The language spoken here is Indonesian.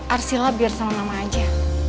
arsila biar sama mama aja